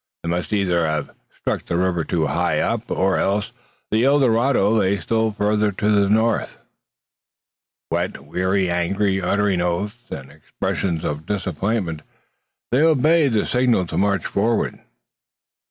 They must either have struck the river too high up, or else the El Dorado lay still farther to the north. Wet, weary, angry, uttering oaths and expressions of disappointment, they obeyed the signal to march forward.